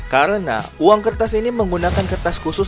karena uang kertas ini menggunakan kertas khusus